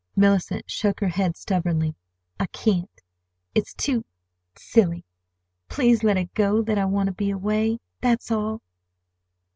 Mellicent shook her head stubbornly. "I can't. It's too—silly. Please let it go that I want to be away. That's all."